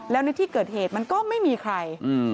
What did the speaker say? แล้วในที่เกิดเหตุมันก็ไม่มีใคร